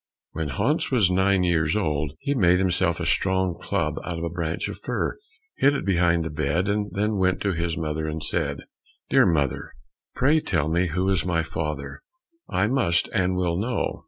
When Hans was nine years old, he made himself a strong club out of a branch of fir, hid it behind the bed, and then went to his mother and said, "Dear mother, pray tell me who is my father; I must and will know."